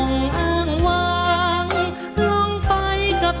จะใช้หรือไม่ใช้ครับ